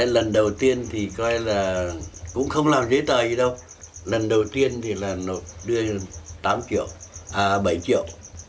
lần đầu tiên thì coi là cũng không làm dễ tợi gì đâu lần đầu tiên thì đưa bảy triệu